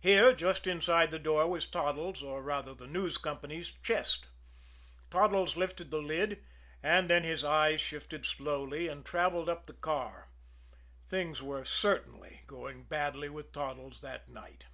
Here, just inside the door, was Toddles', or, rather, the News Company's chest. Toddles lifted the lid; and then his eyes shifted slowly and travelled up the car. Things were certainly going badly with Toddles that night.